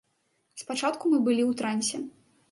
Спачатку мы былі ў трансе.